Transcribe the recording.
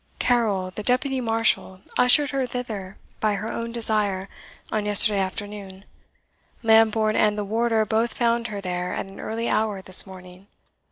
"Carrol, the Deputy Marshal, ushered her thither by her own desire, on yesterday afternoon; Lambourne and the Warder both found her there at an early hour this morning."